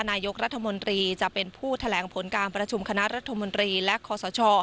นายกรัฐมนตรีจะเป็นผู้แถลงผลการประชุมคณะรัฐมนตรีและคอสช